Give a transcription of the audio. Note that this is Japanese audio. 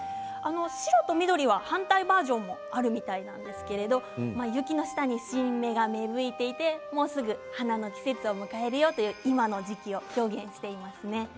白と緑は反対バージョンもあるみたいなんですけれど雪の下に新芽が芽吹いていてもうすぐ花の季節を迎えようという今の時期を表現していますね。